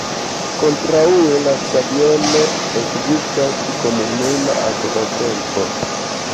Kontraŭe de la stadiono, ekzistas komunuma akva centro.